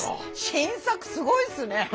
新作すごいっすね。